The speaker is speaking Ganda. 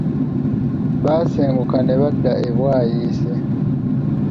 Baasenguka ne badda e Bwaise!